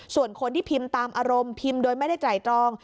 ส่วนคนที่พิมพ์ตามอารมณ์พิมพ์โดยไม่ได้ไตรตรอง